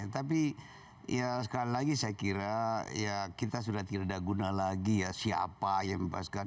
tapi ya sekali lagi saya kira ya kita sudah tidak ada guna lagi ya siapa yang membebaskan